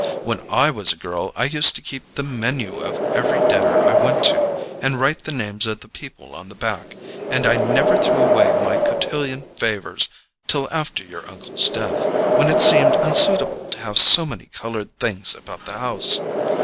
When I was a girl I used to keep the MENU of every dinner I went to, and write the names of the people on the back; and I never threw away my cotillion favours till after your uncle's death, when it seemed unsuitable to have so many coloured things about the house.